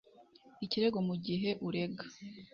ikirego mu gihe urega